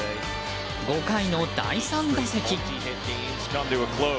５回の第３打席。